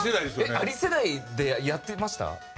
あり世代でやってました？